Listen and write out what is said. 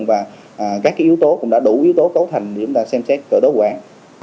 và các yếu tố cũng đã đủ yếu tố cấu thành để chúng ta xem xét cơ đối quản